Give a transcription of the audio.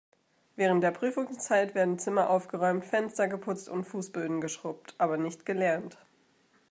Während der Prüfungszeit werden Zimmer aufgeräumt, Fenster geputzt und Fußböden geschrubbt, aber nicht gelernt.